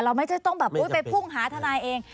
เราไม่ต้องไปพุ่งหาทนายเอง